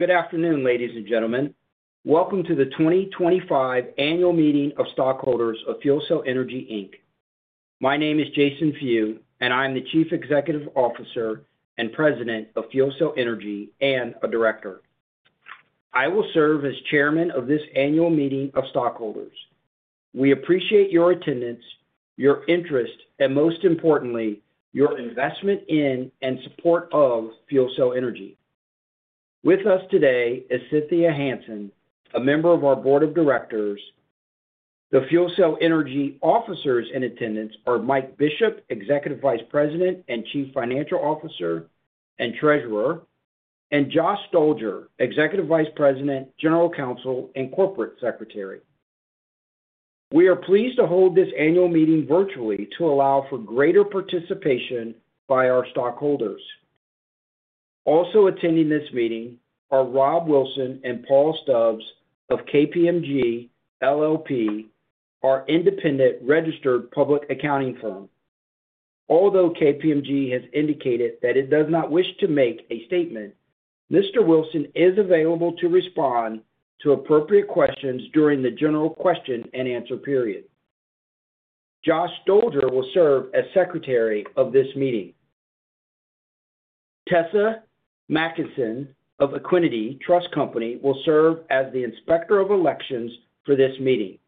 Good afternoon, ladies and gentlemen. Welcome to the 2025 Annual Meeting of Stockholders of FuelCell Energy. My name is Jason Few, and I am the Chief Executive Officer and President of FuelCell Energy and a Director. I will serve as Chairman of this Annual Meeting of Stockholders. We appreciate your attendance, your interest, and most importantly, your investment in and support of FuelCell Energy. With us today is Cynthia Hansen, a member of our Board of Directors. The FuelCell Energy Officers in attendance are Mike Bishop, Executive Vice President and Chief Financial Officer and Treasurer, and Josh Stolzer, Executive Vice President, General Counsel, and Corporate Secretary. We are pleased to hold this Annual Meeting virtually to allow for greater participation by our stockholders. Also attending this meeting are Rob Wilson and Paul Stubbs of KPMG LLP, our independent registered public accounting firm. Although KPMG has indicated that it does not wish to make a statement, Mr. Wilson is available to respond to appropriate questions during the general question and answer period. Josh Stolzer will serve as Secretary of this meeting. Tessa McKinnon of Equiniti Trust Company will serve as the Inspector of Elections for this meeting.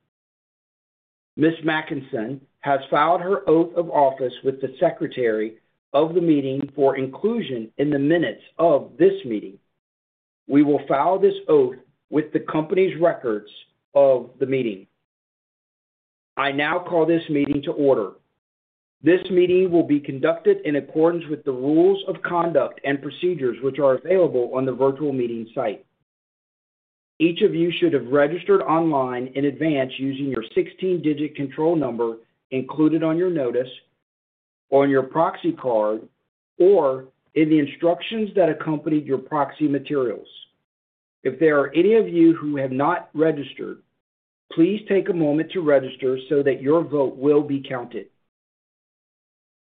Ms. McKinnon has filed her oath of office with the Secretary of the meeting for inclusion in the minutes of this meeting. We will file this oath with the company's records of the meeting. I now call this meeting to order. This meeting will be conducted in accordance with the rules of conduct and procedures which are available on the virtual meeting site. Each of you should have registered online in advance using your 16-digit control number included on your notice, on your proxy card, or in the instructions that accompanied your proxy materials. If there are any of you who have not registered, please take a moment to register so that your vote will be counted.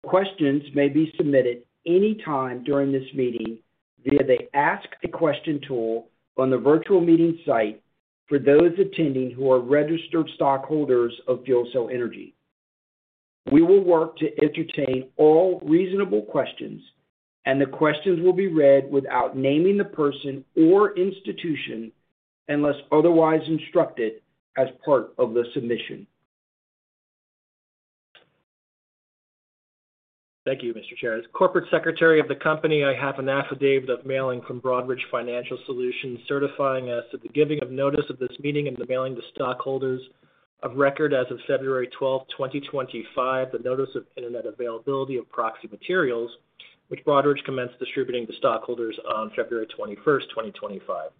Questions may be submitted anytime during this meeting via the Ask a Question tool on the virtual meeting site for those attending who are registered stockholders of FuelCell Energy. We will work to entertain all reasonable questions, and the questions will be read without naming the person or institution unless otherwise instructed as part of the submission. Thank you, Mr. Chair. As Corporate Secretary of the company, I have an affidavit of mailing from Broadridge Financial Solutions certifying us of the giving of notice of this meeting and the mailing to stockholders of record as of February 12, 2025, the notice of internet availability of proxy materials which Broadridge commenced distributing to stockholders on February 21, 2025.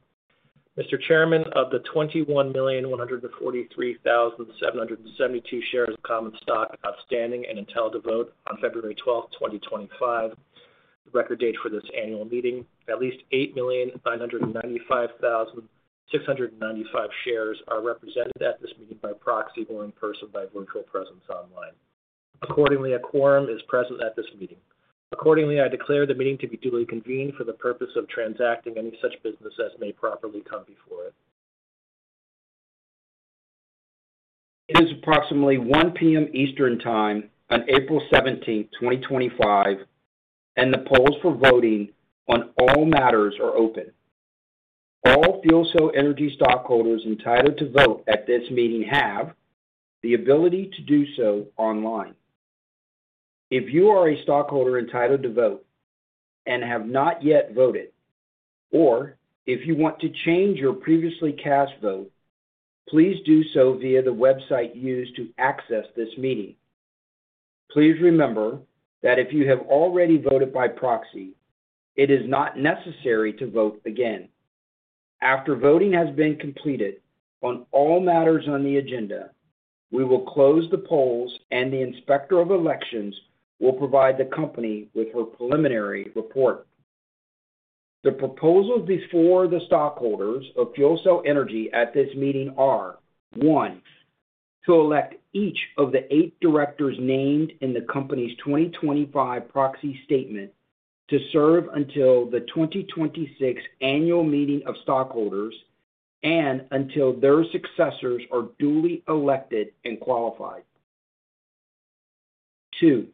Mr. Chairman, of the 21,143,772 shares of common stock outstanding and entitled to vote on February 12, 2025, the record date for this Annual Meeting, at least 8,995,695 shares are represented at this meeting by proxy or in person by virtual presence online. Accordingly, a quorum is present at this meeting. Accordingly, I declare the meeting to be duly convened for the purpose of transacting any such business as may properly come before it. It is approximately 1:00 P.M. Eastern Time on April 17, 2025, and the polls for voting on all matters are open. All FuelCell Energy stockholders entitled to vote at this meeting have the ability to do so online. If you are a stockholder entitled to vote and have not yet voted, or if you want to change your previously cast vote, please do so via the website used to access this meeting. Please remember that if you have already voted by proxy, it is not necessary to vote again. After voting has been completed on all matters on the agenda, we will close the polls, and the Inspector of Elections will provide the company with her preliminary report. The proposals before the stockholders of FuelCell Energy at this meeting are: one, to elect each of the eight directors named in the company's 2025 proxy statement to serve until the 2026 Annual Meeting of Stockholders and until their successors are duly elected and qualified. Two,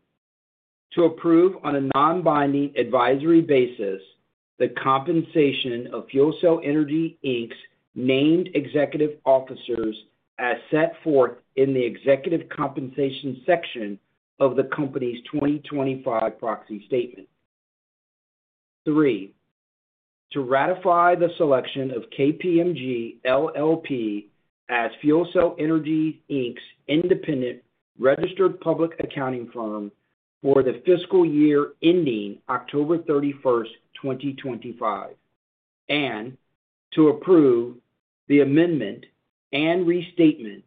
to approve on a non-binding advisory basis the compensation of FuelCell Energy's named executive officers as set forth in the executive compensation section of the company's 2025 proxy statement. Three, to ratify the selection of KPMG LLP as FuelCell Energy's independent registered public accounting firm for the fiscal year ending October 31, 2025, and to approve the amendment and restatement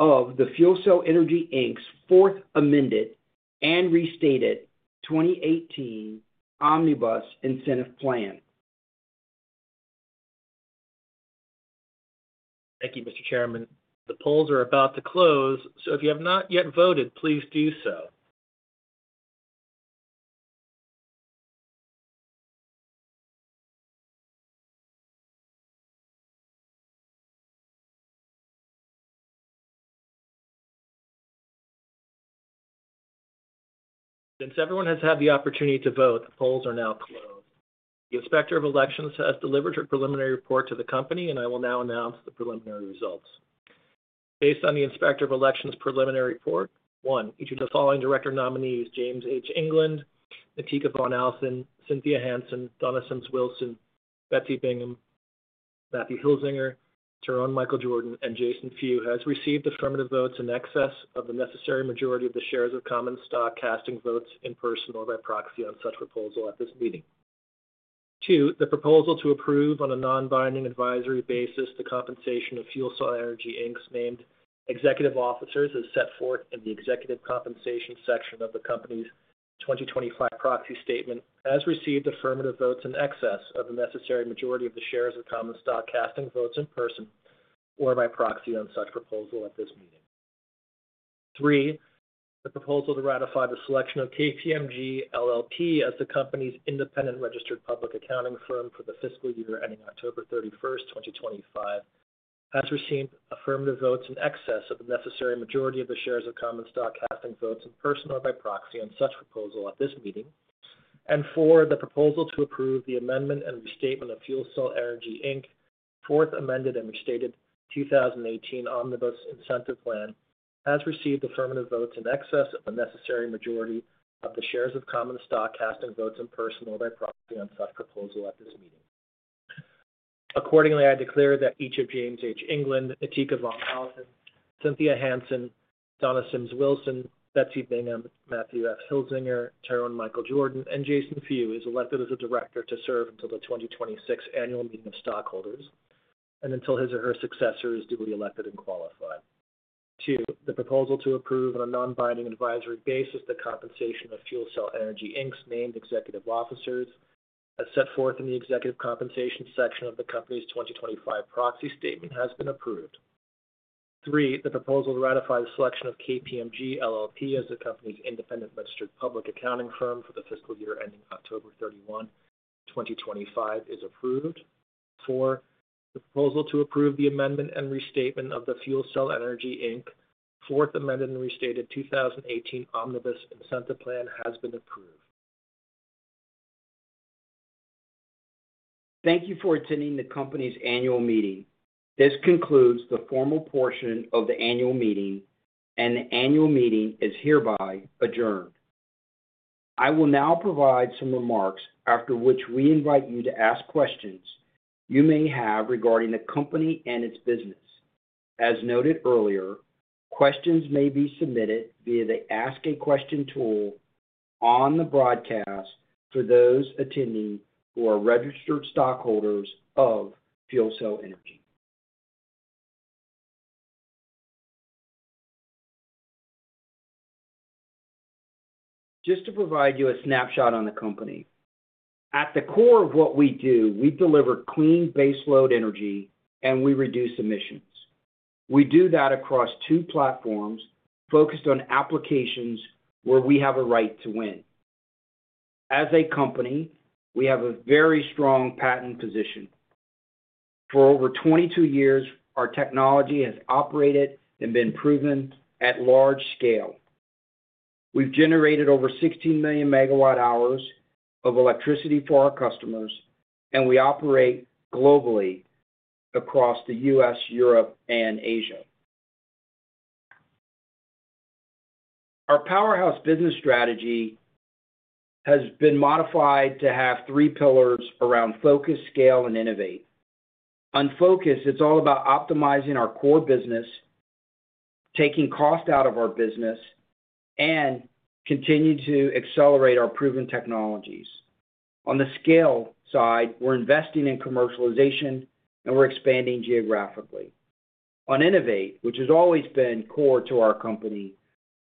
of FuelCell Energy's Fourth Amended and Restated 2018 Omnibus Incentive Plan. Thank you, Mr. Chairman. The polls are about to close, so if you have not yet voted, please do so. Since everyone has had the opportunity to vote, the polls are now closed. The Inspector of Elections has delivered her preliminary report to the company, and I will now announce the preliminary results. Based on the Inspector of Elections preliminary report, one, each of the following director nominees: James H. England, Nateeka Vaughn Allison, Cynthia Hansen, Donna Sims Wilson, Betsy Bingham, Matthew F. Hilzinger, Tyrone Michael Jordan, and Jason Few has received affirmative votes in excess of the necessary majority of the shares of common stock casting votes in person or by proxy on such proposal at this meeting. Two, the proposal to approve on a non-binding advisory basis the compensation of FuelCell Energy's named executive officers as set forth in the executive compensation section of the company's 2025 proxy statement has received affirmative votes in excess of the necessary majority of the shares of common stock casting votes in person or by proxy on such proposal at this meeting. Three, the proposal to ratify the selection of KPMG LLP as the company's independent registered public accounting firm for the fiscal year ending October 31, 2025, has received affirmative votes in excess of the necessary majority of the shares of common stock casting votes in person or by proxy on such proposal at this meeting. Four, the proposal to approve the amendment and restatement of FuelCell Energy. Fourth Amended and Restated 2018 Omnibus Incentive Plan has received affirmative votes in excess of the necessary majority of the shares of common stock casting votes in person or by proxy on such proposal at this meeting. Accordingly, I declare that each of James H. England, Nateeka Vaughn Allison, Cynthia Hansen, Donnas Syms Wilson, Betsy Bingham, Matthew F. Hilzinger, Tarun Michael Jordan, and Jason Few is elected as a Director to serve until the 2026 Annual Meeting of Stockholders and until his or her successor is duly elected and qualified. Two, the proposal to approve on a non-binding advisory basis the compensation of FuelCell Energy's named executive officers as set forth in the executive compensation section of the company's 2025 proxy statement has been approved. Three, the proposal to ratify the selection of KPMG LLP as the company's independent registered public accounting firm for the fiscal year ending October 31, 2025, is approved. Four, the proposal to approve the amendment and restatement of the FuelCell Energy Fourth Amended and Restated 2018 Omnibus Incentive Plan has been approved. Thank you for attending the company's Annual Meeting. This concludes the formal portion of the Annual Meeting, and the Annual Meeting is hereby adjourned. I will now provide some remarks after which we invite you to ask questions you may have regarding the company and its business. As noted earlier, questions may be submitted via the Ask a Question tool on the broadcast for those attending who are registered stockholders of FuelCell Energy. Just to provide you a snapshot on the company, at the core of what we do, we deliver clean baseload energy, and we reduce emissions. We do that across two platforms focused on applications where we have a right to win. As a company, we have a very strong patent position. For over 22 years, our technology has operated and been proven at large scale. We've generated over 16 million megawatt-hours of electricity for our customers, and we operate globally across the U.S., Europe, and Asia. Our powerhouse business strategy has been modified to have three pillars around focus, scale, and innovate. On focus, it's all about optimizing our core business, taking cost out of our business, and continuing to accelerate our proven technologies. On the scale side, we're investing in commercialization, and we're expanding geographically. On innovate, which has always been core to our company,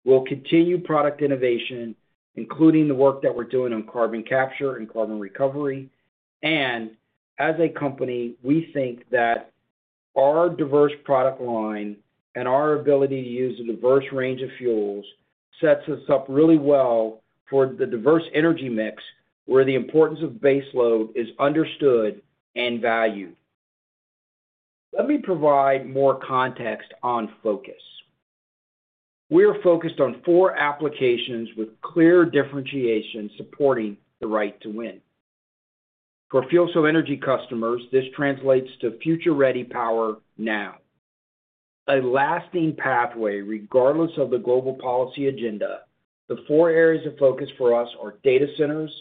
we'll continue product innovation, including the work that we're doing on carbon capture and carbon recovery. As a company, we think that our diverse product line and our ability to use a diverse range of fuels sets us up really well for the diverse energy mix where the importance of baseload is understood and valued. Let me provide more context on focus. We are focused on four applications with clear differentiation supporting the right to win. For FuelCell Energy customers, this translates to future-ready power now, a lasting pathway regardless of the global policy agenda. The four areas of focus for us are data centers,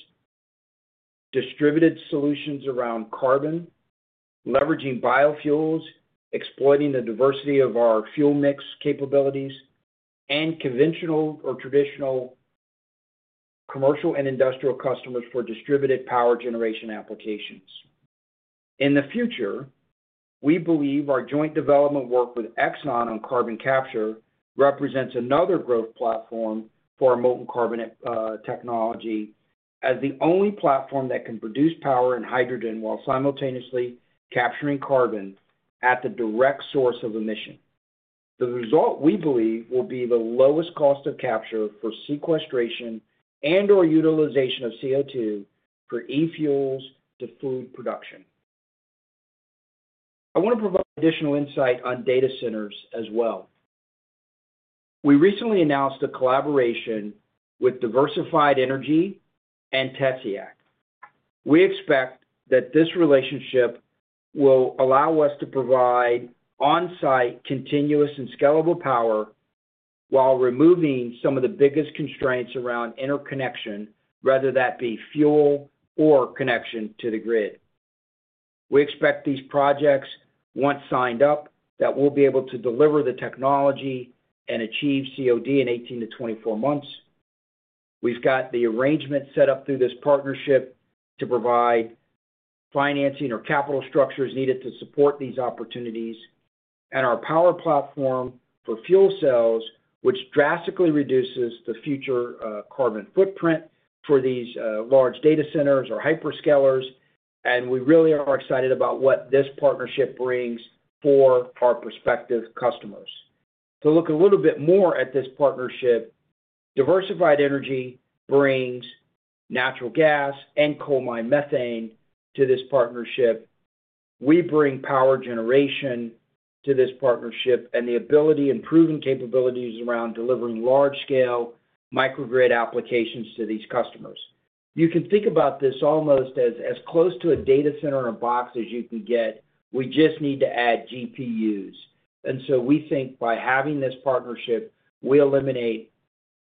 distributed solutions around carbon, leveraging biofuels, exploiting the diversity of our fuel mix capabilities, and conventional or traditional commercial and industrial customers for distributed power generation applications. In the future, we believe our joint development work with Exxon on carbon capture represents another growth platform for our molten carbonate technology as the only platform that can produce power and hydrogen while simultaneously capturing carbon at the direct source of emission. The result we believe will be the lowest cost of capture for sequestration and/or utilization of CO2 for e-fuels to food production. I want to provide additional insight on data centers as well. We recently announced a collaboration with Diversified Energy and Tessiac. We expect that this relationship will allow us to provide on-site continuous and scalable power while removing some of the biggest constraints around interconnection, whether that be fuel or connection to the grid. We expect these projects, once signed up, that we'll be able to deliver the technology and achieve COD in 18-24 months. We've got the arrangement set up through this partnership to provide financing or capital structures needed to support these opportunities and our power platform for fuel cells, which drastically reduces the future carbon footprint for these large data centers or hyperscalers. We really are excited about what this partnership brings for our prospective customers. To look a little bit more at this partnership, Diversified Energy brings natural gas and coal-mined methane to this partnership. We bring power generation to this partnership and the ability and proven capabilities around delivering large-scale microgrid applications to these customers. You can think about this almost as close to a data center in a box as you can get. We just need to add GPUs. We think by having this partnership, we eliminate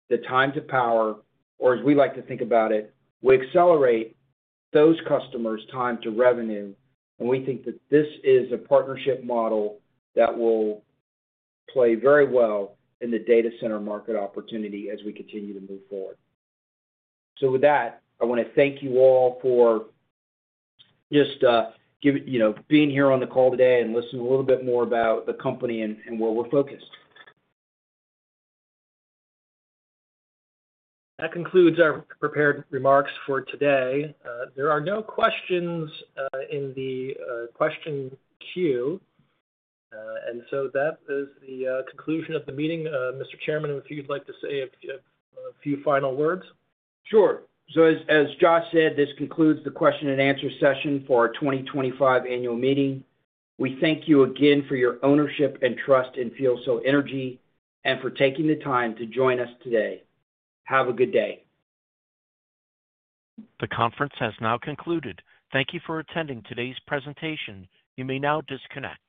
the time to power, or as we like to think about it, we accelerate those customers' time to revenue. We think that this is a partnership model that will play very well in the data center market opportunity as we continue to move forward. I want to thank you all for just being here on the call today and listening a little bit more about the company and where we're focused. That concludes our prepared remarks for today. There are no questions in the question queue. That is the conclusion of the meeting. Mr. Chairman, if you'd like to say a few final words. Sure. As Josh said, this concludes the question and answer session for our 2025 Annual Meeting. We thank you again for your ownership and trust in FuelCell Energy and for taking the time to join us today. Have a good day. The conference has now concluded. Thank you for attending today's presentation. You may now disconnect.